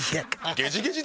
ゲジゲジで。